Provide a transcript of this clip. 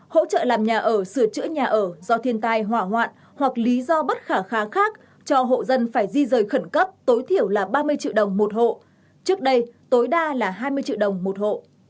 hỗ trợ làm nhà ở sửa chữa nhà ở do thiên tai hỏa hoạn hoặc lý do bất khả kháng khác cho hộ dân phải di rời khẩn cấp tối thiểu là ba mươi triệu đồng một hộ trước đây tối đa là hai mươi triệu đồng một hộ